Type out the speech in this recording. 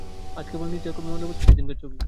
আজ কেবল নীরজার মনে পড়ছে সেইদিনকার ছবি।